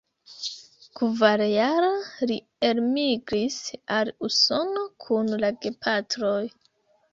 Kvarjara, li elmigris al Usono kun la gepatroj.